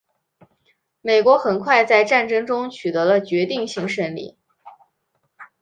美国很快在战争中取得了决定性胜利。